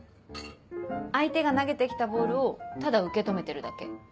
相手が投げてきたボールをただ受け止めてるだけ。